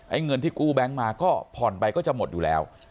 เงินที่กู้แบงค์มาก็ผ่อนไปก็จะหมดอยู่แล้ว